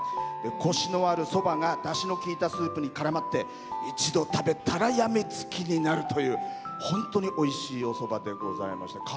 コシのあるそばがだしのきいたスープにからまって一度食べたらやみつきになるという本当においしいおそばでございます。